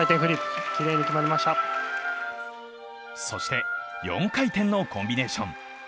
そして、４回転のコンビネーション。